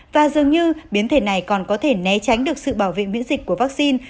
và dường như biến thể này còn có thể né tránh được sự bảo vệ miễn dịch của vaccine